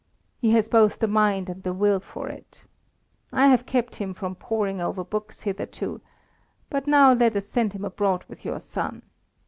He has both the mind and the will for it. I have kept him from poring over books hitherto, but now let us send him abroad with your son.